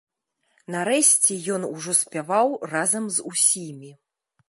Нарэшце ён ужо спяваў разам з усімі.